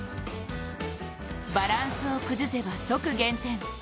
バランスを崩せば、即減点。